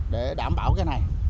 để đảm bảo cái này